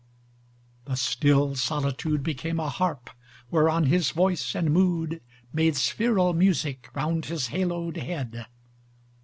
The still solitude Became a harp whereon his voice and mood Made spheral music round his haloed head.